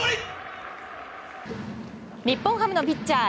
日本ハムのピッチャー